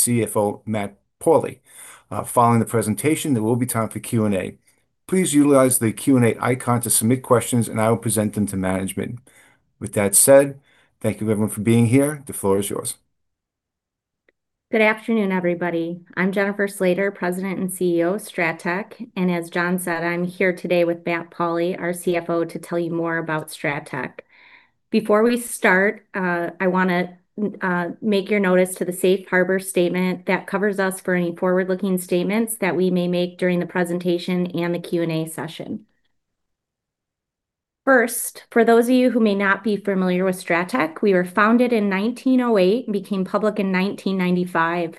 CFO Matt Pauli. Following the presentation, there will be time for Q&A. Please utilize the Q&A icon to submit questions, and I will present them to management. With that said, thank you, everyone, for being here. The floor is yours. Good afternoon, everybody. I'm Jennifer Slater, President and CEO of Strattec, and as John said, I'm here today with Matt Pauli, our CFO, to tell you more about Strattec. Before we start, I want to make your notice to the Safe Harbor Statement that covers us for any forward-looking statements that we may make during the presentation and the Q&A session. First, for those of you who may not be familiar with Strattec, we were founded in 1908 and became public in 1995.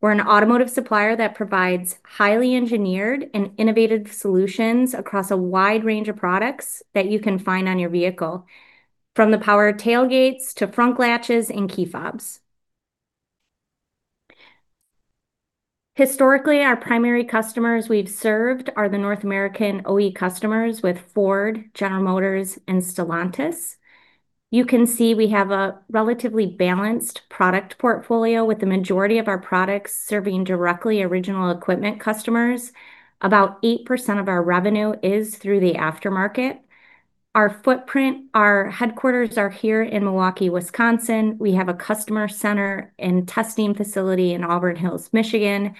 We're an automotive supplier that provides highly engineered and innovative solutions across a wide range of products that you can find on your vehicle, from the power tailgates to front latches and key fobs. Historically, our primary customers we've served are the North American OE customers with Ford, General Motors, and Stellantis. You can see we have a relatively balanced product portfolio, with the majority of our products serving directly original equipment customers. About 8% of our revenue is through the aftermarket. Our headquarters are here in Milwaukee, Wisconsin. We have a customer center and testing facility in Auburn Hills, Michigan.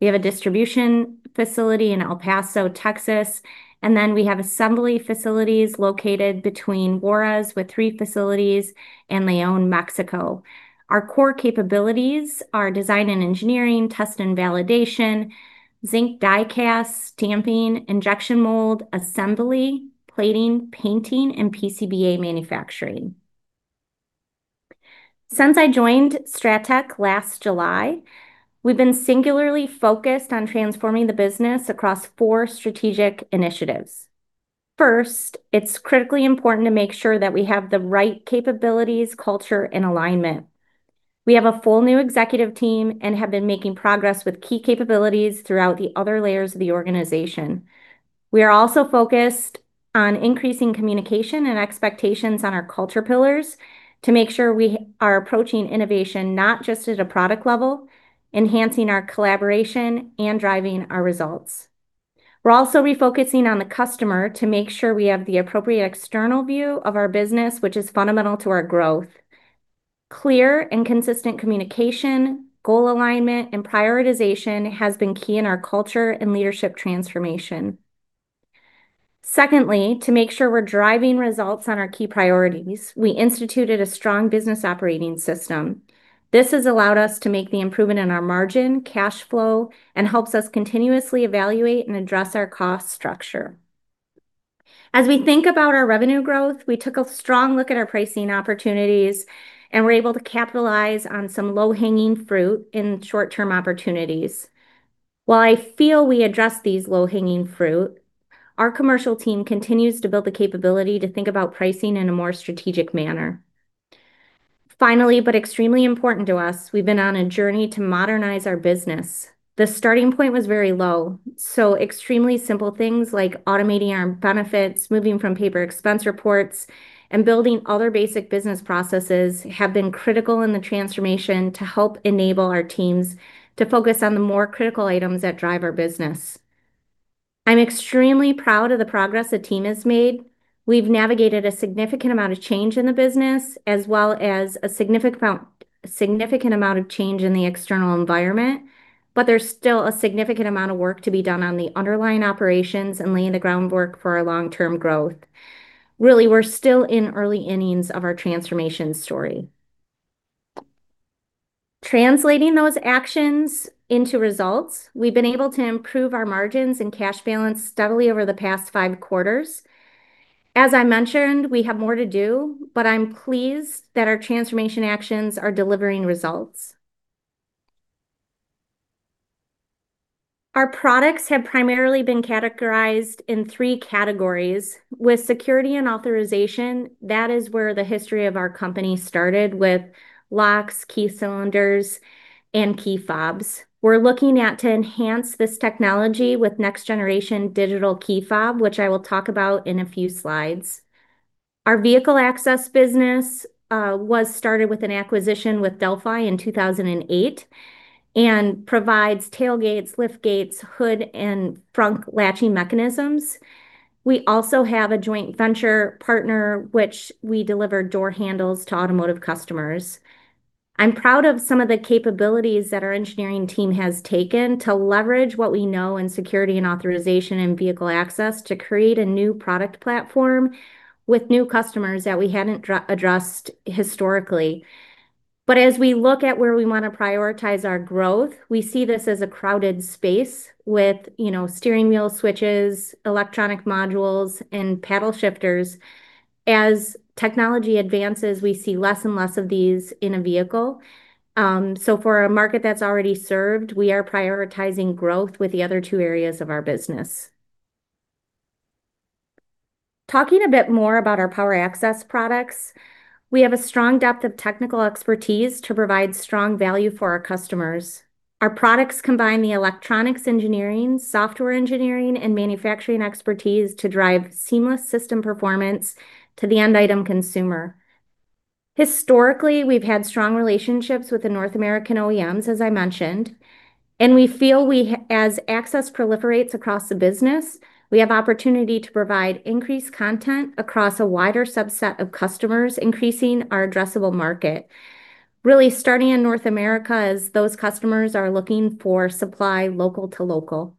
We have a distribution facility in El Paso, Texas, and then we have assembly facilities located between Juárez, with three facilities, and León, Mexico. Our core capabilities are design and engineering, test and validation, zinc die casting, stamping, injection molding, assembly, plating, painting, and PCBA manufacturing. Since I joined Strattec last July, we've been singularly focused on transforming the business across four strategic initiatives. First, it's critically important to make sure that we have the right capabilities, culture, and alignment. We have a full new executive team and have been making progress with key capabilities throughout the other layers of the organization. We are also focused on increasing communication and expectations on our culture pillars to make sure we are approaching innovation not just at a product level, enhancing our collaboration and driving our results. We're also refocusing on the customer to make sure we have the appropriate external view of our business, which is fundamental to our growth. Clear and consistent communication, goal alignment, and prioritization have been key in our culture and leadership transformation. Secondly, to make sure we're driving results on our key priorities, we instituted a strong business operating system. This has allowed us to make the improvement in our margin, cash flow, and helps us continuously evaluate and address our cost structure. As we think about our revenue growth, we took a strong look at our pricing opportunities, and we're able to capitalize on some low-hanging fruit in short-term opportunities. While I feel we addressed these low-hanging fruit, our commercial team continues to build the capability to think about pricing in a more strategic manner. Finally, but extremely important to us, we've been on a journey to modernize our business. The starting point was very low, so extremely simple things like automating our benefits, moving from paper expense reports, and building other basic business processes have been critical in the transformation to help enable our teams to focus on the more critical items that drive our business. I'm extremely proud of the progress the team has made. We've navigated a significant amount of change in the business, as well as a significant amount of change in the external environment. But there's still a significant amount of work to be done on the underlying operations and laying the groundwork for our long-term growth. Really, we're still in early innings of our transformation story. Translating those actions into results, we've been able to improve our margins and cash balance steadily over the past five quarters. As I mentioned, we have more to do, but I'm pleased that our transformation actions are delivering results. Our products have primarily been categorized in three categories. With security and authorization, that is where the history of our company started with locks, key cylinders, and key fobs. We're looking at enhancing this technology with next-generation digital key fob, which I will talk about in a few slides. Our vehicle access business was started with an acquisition with Delphi in 2008 and provides tailgates, liftgates, hood, and front latching mechanisms. We also have a joint venture partner, which we deliver door handles to automotive customers. I'm proud of some of the capabilities that our engineering team has taken to leverage what we know in security and authorization and vehicle access to create a new product platform with new customers that we hadn't addressed historically. But as we look at where we want to prioritize our growth, we see this as a crowded space with steering wheel switches, electronic modules, and paddle shifters. As technology advances, we see less and less of these in a vehicle. So for a market that's already served, we are prioritizing growth with the other two areas of our business. Talking a bit more about our power access products, we have a strong depth of technical expertise to provide strong value for our customers. Our products combine the electronics engineering, software engineering, and manufacturing expertise to drive seamless system performance to the end-item consumer. Historically, we've had strong relationships with the North American OEMs, as I mentioned, and we feel as access proliferates across the business, we have the opportunity to provide increased content across a wider subset of customers, increasing our addressable market. Really, starting in North America as those customers are looking for supply local to local.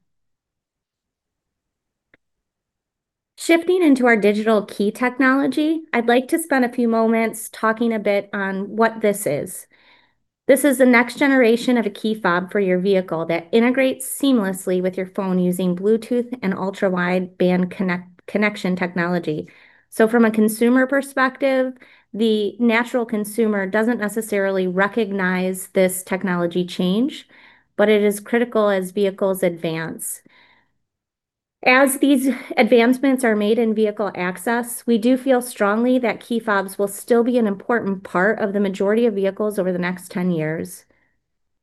Shifting into our digital key technology, I'd like to spend a few moments talking a bit on what this is. This is the next generation of a key fob for your vehicle that integrates seamlessly with your phone using Bluetooth and ultra-wideband connection technology. So from a consumer perspective, the natural consumer doesn't necessarily recognize this technology change, but it is critical as vehicles advance. As these advancements are made in vehicle access, we do feel strongly that key fobs will still be an important part of the majority of vehicles over the next 10 years.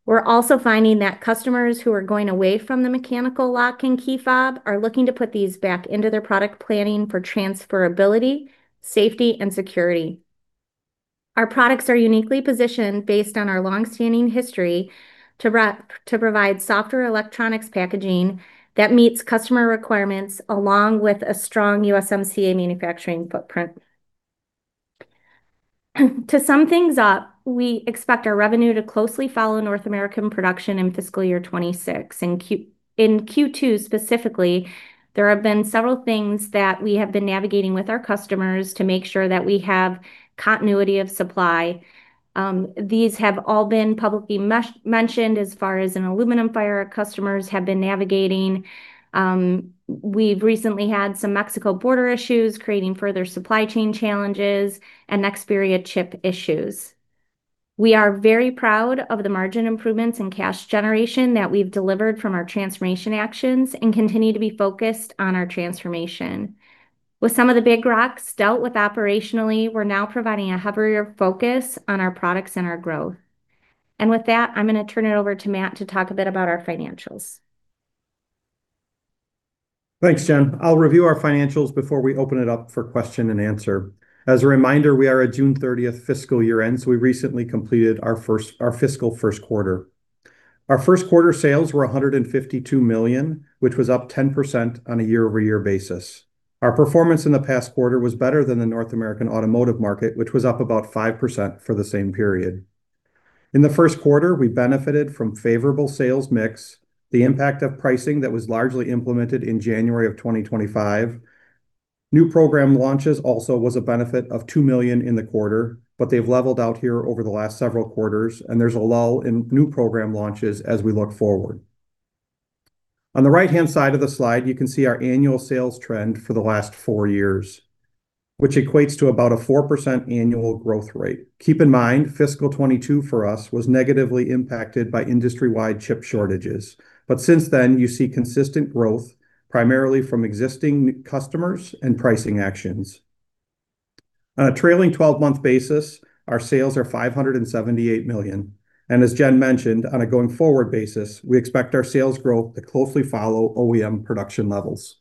We're also finding that customers who are going away from the mechanical lock and key fob are looking to put these back into their product planning for transferability, safety, and security. Our products are uniquely positioned based on our long-standing history to provide software electronics packaging that meets customer requirements along with a strong USMCA manufacturing footprint. To sum things up, we expect our revenue to closely follow North American production in fiscal year 2026. In Q2 specifically, there have been several things that we have been navigating with our customers to make sure that we have continuity of supply. These have all been publicly mentioned as far as an aluminum fire, customers have been navigating. We've recently had some Mexico border issues creating further supply chain challenges and Nexperia chip issues. We are very proud of the margin improvements and cash generation that we've delivered from our transformation actions and continue to be focused on our transformation. With some of the big rocks dealt with operationally, we're now providing a heavier focus on our products and our growth, and with that, I'm going to turn it over to Matt to talk a bit about our financials. Thanks, Jen. I'll review our financials before we open it up for question and answer. As a reminder, we are at June 30th, fiscal year end, so we recently completed our fiscal first quarter. Our first quarter sales were $152 million, which was up 10% on a year-over-year basis. Our performance in the past quarter was better than the North American automotive market, which was up about 5% for the same period. In the first quarter, we benefited from a favorable sales mix, the impact of pricing that was largely implemented in January of 2025. New program launches also were a benefit of $2 million in the quarter, but they've leveled out here over the last several quarters, and there's a lull in new program launches as we look forward. On the right-hand side of the slide, you can see our annual sales trend for the last four years, which equates to about a 4% annual growth rate. Keep in mind, fiscal 2022 for us was negatively impacted by industry-wide chip shortages. But since then, you see consistent growth primarily from existing customers and pricing actions. On a trailing 12-month basis, our sales are $578 million. And as Jen mentioned, on a going-forward basis, we expect our sales growth to closely follow OEM production levels.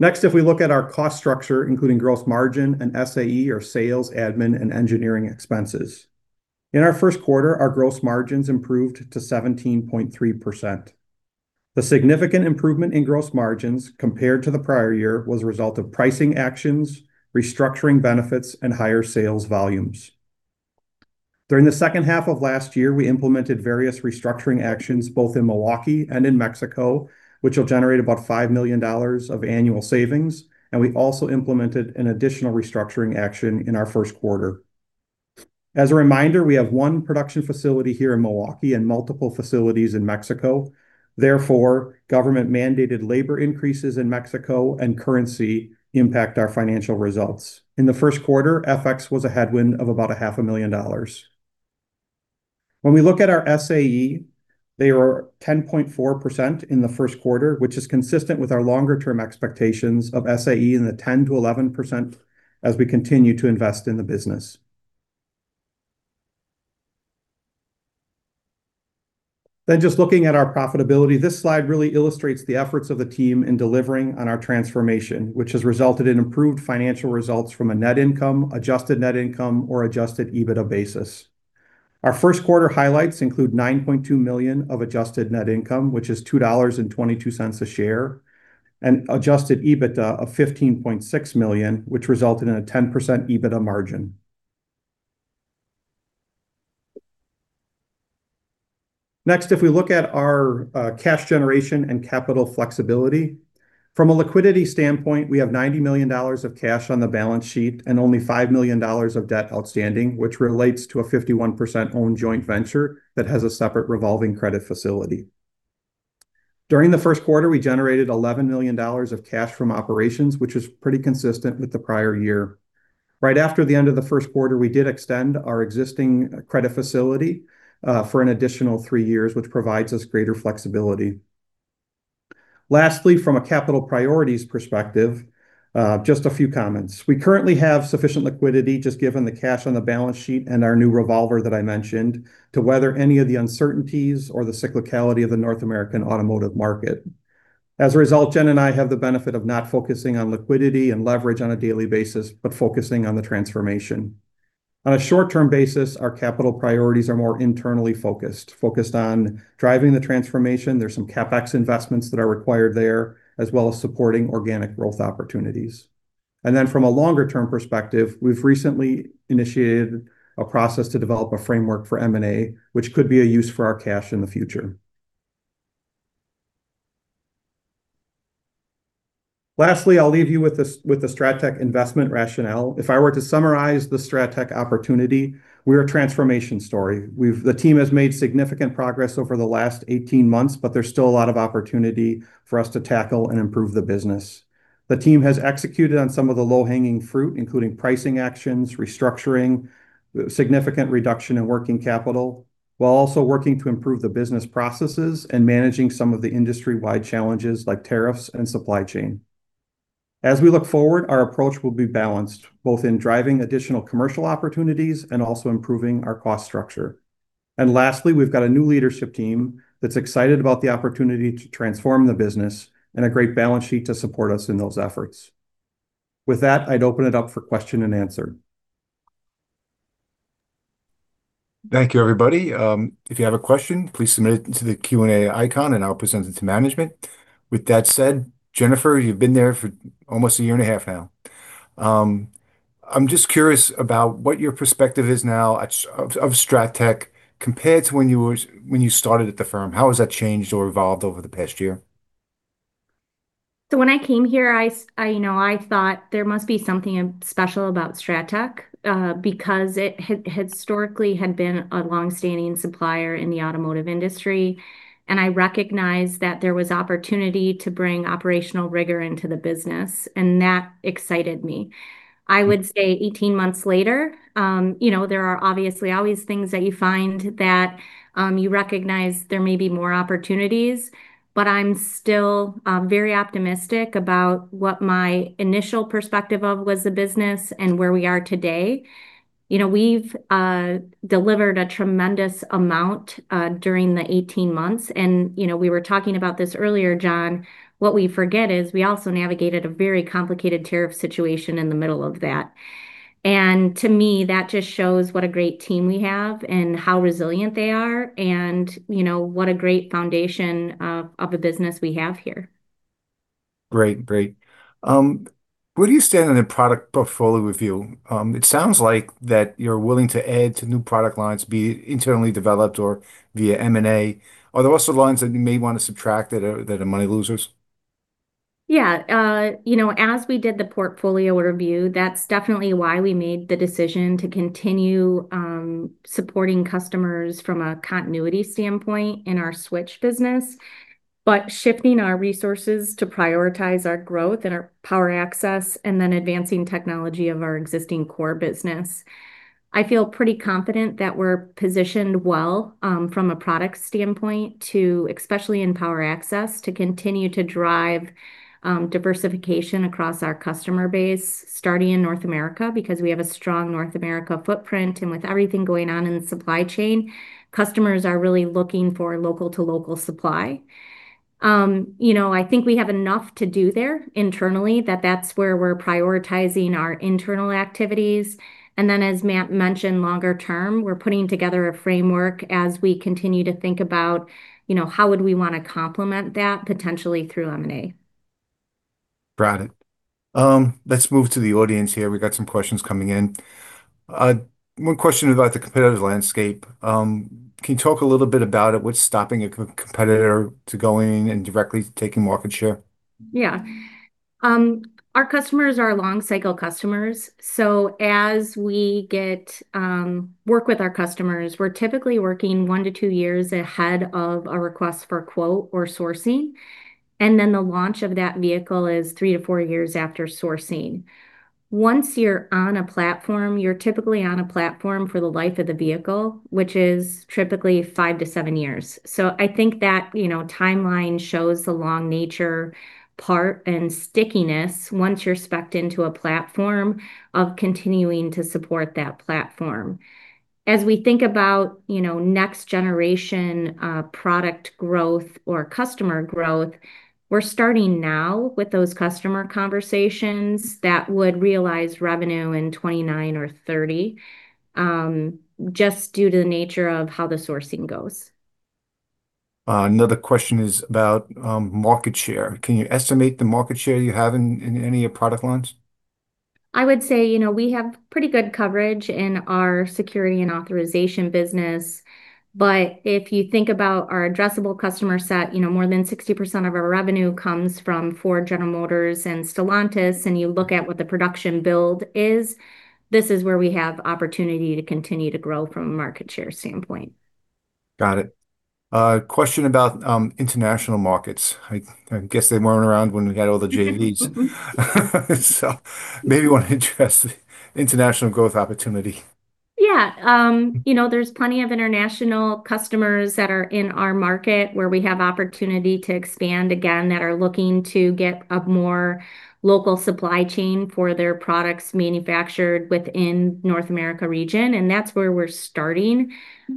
Next, if we look at our cost structure, including gross margin and SAE, or Sales, Admin, and Engineering expenses. In our first quarter, our gross margins improved to 17.3%. The significant improvement in gross margins compared to the prior year was a result of pricing actions, restructuring benefits, and higher sales volumes. During the second half of last year, we implemented various restructuring actions both in Milwaukee and in Mexico, which will generate about $5 million of annual savings, and we also implemented an additional restructuring action in our first quarter. As a reminder, we have one production facility here in Milwaukee and multiple facilities in Mexico. Therefore, government-mandated labor increases in Mexico and currency impact our financial results. In the first quarter, FX was a headwind of about $500 million. When we look at our SAE, they were 10.4% in the first quarter, which is consistent with our longer-term expectations of SAE in the 10%-11% as we continue to invest in the business. Then, just looking at our profitability, this slide really illustrates the efforts of the team in delivering on our transformation, which has resulted in improved financial results from a net income, adjusted net income, or adjusted EBITDA basis. Our first quarter highlights include $9.2 million of adjusted net income, which is $2.22 a share, and adjusted EBITDA of $15.6 million, which resulted in a 10% EBITDA margin. Next, if we look at our cash generation and capital flexibility, from a liquidity standpoint, we have $90 million of cash on the balance sheet and only $5 million of debt outstanding, which relates to a 51% owned joint venture that has a separate revolving credit facility. During the first quarter, we generated $11 million of cash from operations, which is pretty consistent with the prior year. Right after the end of the first quarter, we did extend our existing credit facility for an additional three years, which provides us greater flexibility. Lastly, from a capital priorities perspective, just a few comments. We currently have sufficient liquidity just given the cash on the balance sheet and our new revolver that I mentioned to weather any of the uncertainties or the cyclicality of the North American automotive market. As a result, Jen and I have the benefit of not focusing on liquidity and leverage on a daily basis, but focusing on the transformation. On a short-term basis, our capital priorities are more internally focused, focused on driving the transformation. There's some CapEx investments that are required there, as well as supporting organic growth opportunities. And then, from a longer-term perspective, we've recently initiated a process to develop a framework for M&A, which could be of use for our cash in the future. Lastly, I'll leave you with the Strattec investment rationale. If I were to summarize the Strattec opportunity, we're a transformation story. The team has made significant progress over the last 18 months, but there's still a lot of opportunity for us to tackle and improve the business. The team has executed on some of the low-hanging fruit, including pricing actions, restructuring, significant reduction in working capital, while also working to improve the business processes and managing some of the industry-wide challenges like tariffs and supply chain. As we look forward, our approach will be balanced both in driving additional commercial opportunities and also improving our cost structure. And lastly, we've got a new leadership team that's excited about the opportunity to transform the business and a great balance sheet to support us in those efforts. With that, I'd open it up for question-and-answer. Thank you, everybody. If you have a question, please submit it to the Q&A icon and I'll present it to management. With that said, Jennifer, you've been there for almost a year and a half now. I'm just curious about what your perspective is now of Strattec compared to when you started at the firm. How has that changed or evolved over the past year? So when I came here, I thought there must be something special about Strattec because it historically had been a long-standing supplier in the automotive industry. And I recognized that there was opportunity to bring operational rigor into the business, and that excited me. I would say 18 months later, there are obviously always things that you find that you recognize there may be more opportunities, but I'm still very optimistic about what my initial perspective of was the business and where we are today. We've delivered a tremendous amount during the 18 months. And we were talking about this earlier, John. What we forget is we also navigated a very complicated tariff situation in the middle of that. And to me, that just shows what a great team we have and how resilient they are and what a great foundation of a business we have here. Great, great. Where do you stand on the product portfolio review? It sounds like that you're willing to add to new product lines, be it internally developed or via M&A. Are there also lines that you may want to subtract that are money losers? Yeah. As we did the portfolio review, that's definitely why we made the decision to continue supporting customers from a continuity standpoint in our switch business, but shifting our resources to prioritize our growth and our power access and then advancing technology of our existing core business. I feel pretty confident that we're positioned well from a product standpoint, especially in power access, to continue to drive diversification across our customer base, starting in North America because we have a strong North America footprint. With everything going on in the supply chain, customers are really looking for local-to-local supply. I think we have enough to do there internally that that's where we're prioritizing our internal activities. Then, as Matt mentioned, longer term, we're putting together a framework as we continue to think about how would we want to complement that potentially through M&A. Got it. Let's move to the audience here. We got some questions coming in. One question about the competitive landscape. Can you talk a little bit about it? What's stopping a competitor from going and directly taking market share? Yeah. Our customers are long-cycle customers, so as we work with our customers, we're typically working one to two years ahead of a request for quote or sourcing, and then the launch of that vehicle is three to four years after sourcing. Once you're on a platform, you're typically on a platform for the life of the vehicle, which is typically five to seven years, so I think that timeline shows the long nature part and stickiness once you're specced into a platform of continuing to support that platform. As we think about next-generation product growth or customer growth, we're starting now with those customer conversations that would realize revenue in 2029 or 2030 just due to the nature of how the sourcing goes. Another question is about market share. Can you estimate the market share you have in any of your product lines? I would say we have pretty good coverage in our security and authorization business. But if you think about our addressable customer set, more than 60% of our revenue comes from Ford, General Motors, and Stellantis. And you look at what the production build is, this is where we have opportunity to continue to grow from a market share standpoint. Got it. Question about international markets. I guess they weren't around when we had all the JVs. So maybe one interesting international growth opportunity. Yeah. There's plenty of international customers that are in our market where we have opportunity to expand again that are looking to get a more local supply chain for their products manufactured within the North America region. And that's where we're starting.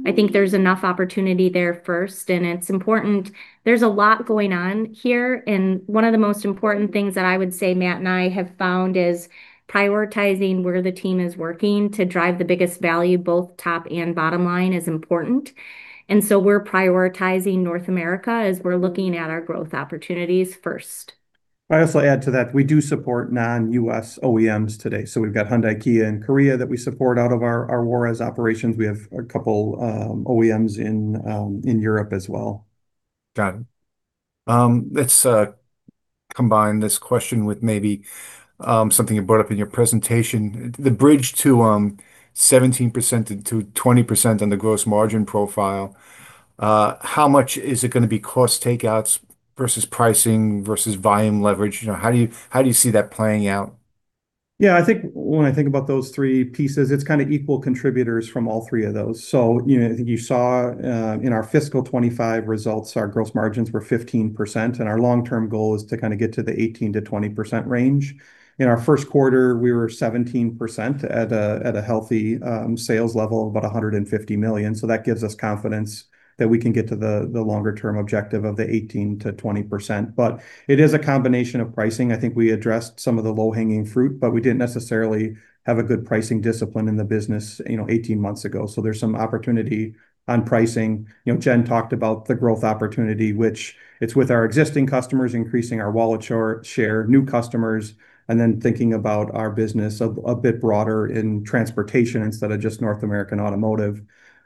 I think there's enough opportunity there first. And it's important. There's a lot going on here. And one of the most important things that I would say Matt and I have found is prioritizing where the team is working to drive the biggest value, both top and bottom line, is important. And so we're prioritizing North America as we're looking at our growth opportunities first. I also add to that, we do support non-US OEMs today. So we've got Hyundai, Kia, and Korea that we support out of our WARAS operations. We have a couple OEMs in Europe as well. Got it. Let's combine this question with maybe something you brought up in your presentation. The bridge to 17%-20% on the gross margin profile, how much is it going to be cost takeouts versus pricing versus volume leverage? How do you see that playing out? Yeah. I think when I think about those three pieces, it's kind of equal contributors from all three of those. So I think you saw in our fiscal 2025 results, our gross margins were 15%. Our long-term goal is to kind of get to the 18%-20% range. In our first quarter, we were 17% at a healthy sales level of about $150 million. So that gives us confidence that we can get to the longer-term objective of the 18%-20%. But it is a combination of pricing. I think we addressed some of the low-hanging fruit, but we didn't necessarily have a good pricing discipline in the business 18 months ago. So there's some opportunity on pricing. Jen talked about the growth opportunity, which it's with our existing customers, increasing our wallet share, new customers, and then thinking about our business a bit broader in transportation instead of just North American automotive.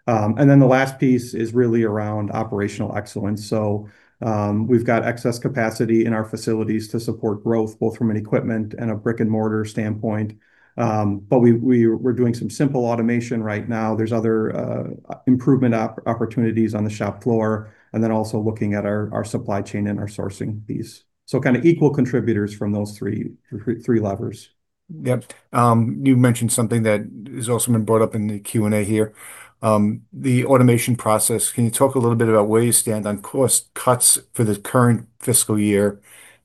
And then the last piece is really around operational excellence. So we've got excess capacity in our facilities to support growth, both from an equipment and a brick-and-mortar standpoint. But we're doing some simple automation right now. There's other improvement opportunities on the shop floor. And then also looking at our supply chain and our sourcing piece. So kind of equal contributors from those three levers. Yep. You mentioned something that has also been brought up in the Q&A here. The automation process, can you talk a little bit about where you stand on cost cuts for the current fiscal year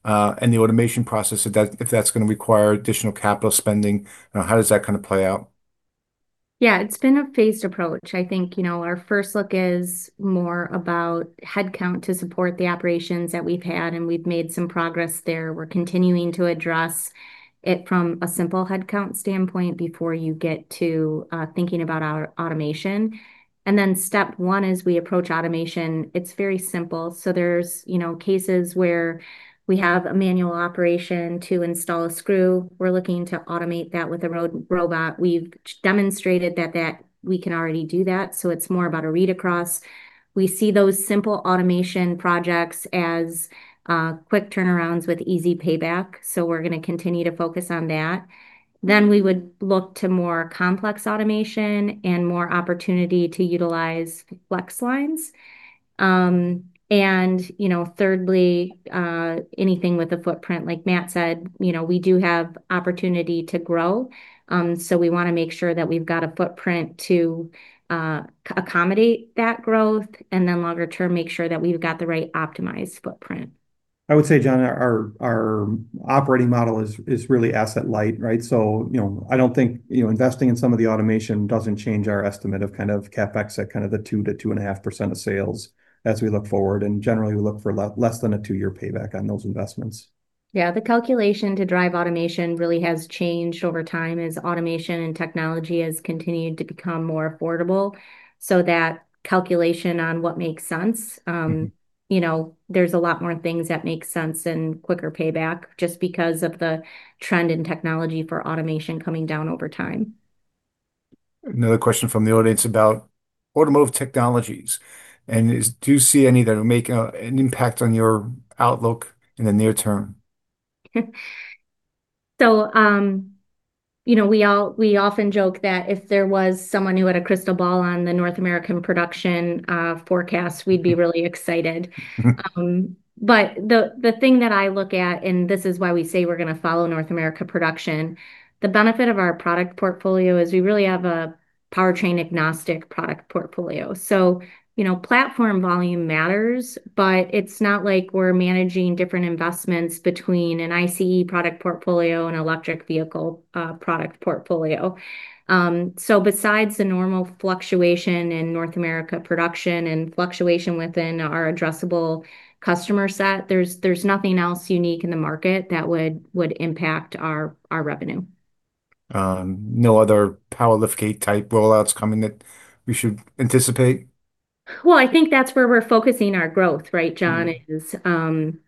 and the automation process, if that's going to require additional capital spending? How does that kind of play out? Yeah. It's been a phased approach. I think our first look is more about headcount to support the operations that we've had, and we've made some progress there. We're continuing to address it from a simple headcount standpoint before you get to thinking about automation. And then step one as we approach automation, it's very simple. So there's cases where we have a manual operation to install a screw. We're looking to automate that with a robot. We've demonstrated that we can already do that. So it's more about a read across. We see those simple automation projects as quick turnarounds with easy payback. So we're going to continue to focus on that. Then we would look to more complex automation and more opportunity to utilize flex lines. And thirdly, anything with a footprint. Like Matt said, we do have opportunity to grow. We want to make sure that we've got a footprint to accommodate that growth and then longer term, make sure that we've got the right optimized footprint. I would say, John, our operating model is really asset light, right? So I don't think investing in some of the automation doesn't change our estimate of kind of CapEx at kind of the 2%-2.5% of sales as we look forward. And generally, we look for less than a two-year payback on those investments. Yeah. The calculation to drive automation really has changed over time as automation and technology has continued to become more affordable. So that calculation on what makes sense, there's a lot more things that make sense and quicker payback just because of the trend in technology for automation coming down over time. Another question from the audience about automotive technologies. Do you see any that will make an impact on your outlook in the near term? So we often joke that if there was someone who had a crystal ball on the North American production forecast, we'd be really excited. But the thing that I look at, and this is why we say we're going to follow North America production, the benefit of our product portfolio is we really have a powertrain-agnostic product portfolio. So platform volume matters, but it's not like we're managing different investments between an ICE product portfolio and electric vehicle product portfolio. So besides the normal fluctuation in North America production and fluctuation within our addressable customer set, there's nothing else unique in the market that would impact our revenue. No other power liftgate type rollouts coming that we should anticipate? I think that's where we're focusing our growth, right, John, is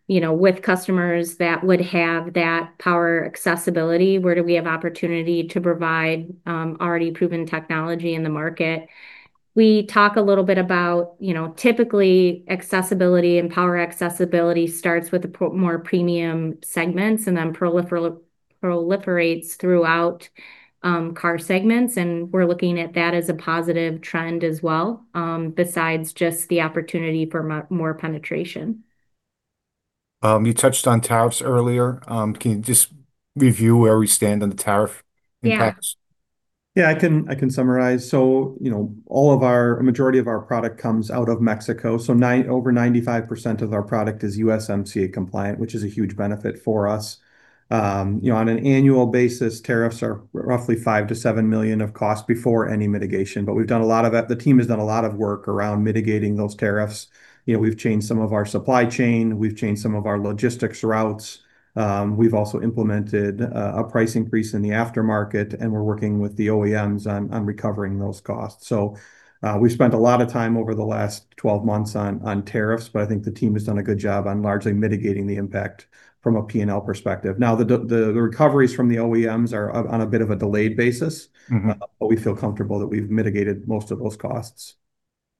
with customers that would have that power accessibility, where do we have opportunity to provide already proven technology in the market? We talk a little bit about typically accessibility and power accessibility starts with more premium segments and then proliferates throughout car segments. We're looking at that as a positive trend as well besides just the opportunity for more penetration. You touched on tariffs earlier. Can you just review where we stand on the tariff impacts? Yeah. Yeah. I can summarize. A majority of our product comes out of Mexico. Over 95% of our product is USMCA compliant, which is a huge benefit for us. On an annual basis, tariffs are roughly $5-$7 million of cost before any mitigation. But we've done a lot of the team has done a lot of work around mitigating those tariffs. We've changed some of our supply chain. We've changed some of our logistics routes. We've also implemented a price increase in the aftermarket, and we're working with the OEMs on recovering those costs. We've spent a lot of time over the last 12 months on tariffs, but I think the team has done a good job on largely mitigating the impact from a P&L perspective. Now, the recoveries from the OEMs are on a bit of a delayed basis, but we feel comfortable that we've mitigated most of those costs.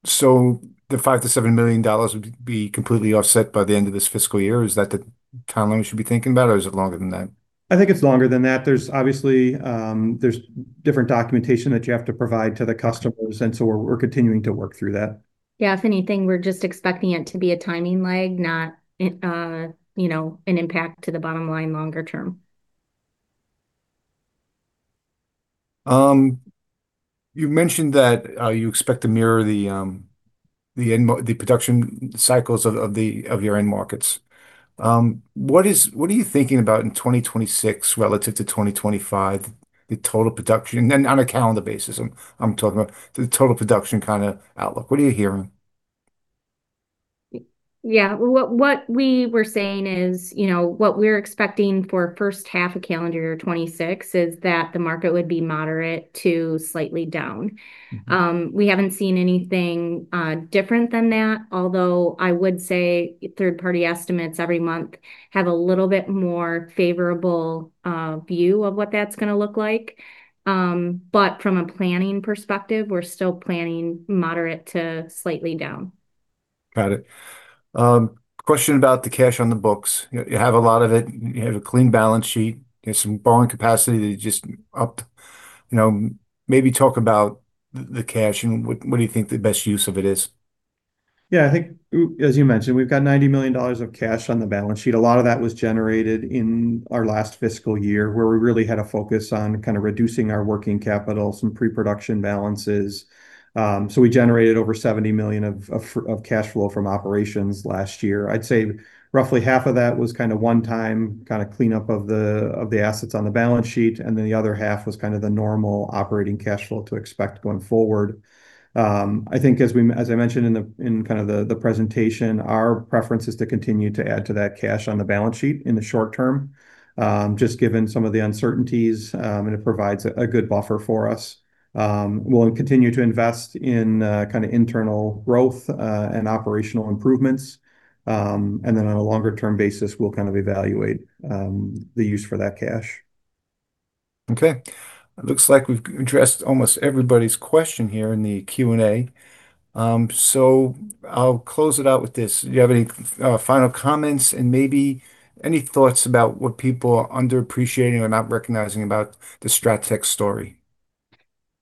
So the $5-$7 million would be completely offset by the end of this fiscal year. Is that the timeline we should be thinking about, or is it longer than that? I think it's longer than that. Obviously, there's different documentation that you have to provide to the customers. And so we're continuing to work through that. Yeah. If anything, we're just expecting it to be a timing lag, not an impact to the bottom line longer term. You mentioned that you expect to mirror the production cycles of your end markets. What are you thinking about in 2026 relative to 2025, the total production? And on a calendar basis, I'm talking about the total production kind of outlook. What are you hearing? Yeah. What we were saying is what we're expecting for first half of calendar year 2026 is that the market would be moderate to slightly down. We haven't seen anything different than that, although I would say third-party estimates every month have a little bit more favorable view of what that's going to look like. But from a planning perspective, we're still planning moderate to slightly down. Got it. Question about the cash on the books. You have a lot of it. You have a clean balance sheet. You have some borrowing capacity that you just upped. Maybe talk about the cash and what do you think the best use of it is? Yeah. I think, as you mentioned, we've got $90 million of cash on the balance sheet. A lot of that was generated in our last fiscal year where we really had a focus on kind of reducing our working capital, some pre-production balances. So we generated over $70 million of cash flow from operations last year. I'd say roughly half of that was kind of one-time kind of cleanup of the assets on the balance sheet. And then the other half was kind of the normal operating cash flow to expect going forward. I think, as I mentioned in kind of the presentation, our preference is to continue to add to that cash on the balance sheet in the short term, just given some of the uncertainties, and it provides a good buffer for us. We'll continue to invest in kind of internal growth and operational improvements, and then on a longer-term basis, we'll kind of evaluate the use for that cash. Okay. It looks like we've addressed almost everybody's question here in the Q&A, so I'll close it out with this. Do you have any final comments and maybe any thoughts about what people are underappreciating or not recognizing about the Strattec story?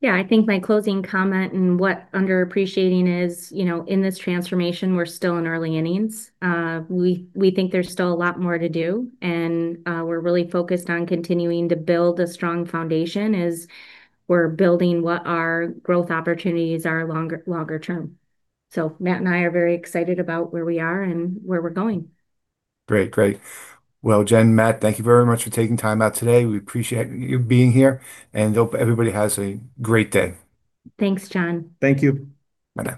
Yeah. I think my closing comment and what's underappreciated is, in this transformation, we're still in early innings. We think there's still a lot more to do, and we're really focused on continuing to build a strong foundation as we're building what our growth opportunities are longer term, so Matt and I are very excited about where we are and where we're going. Great. Jen, Matt, thank you very much for taking time out today. We appreciate you being here. I hope everybody has a great day. Thanks, John. Thank you. Bye.